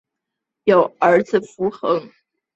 有儿子伏暅。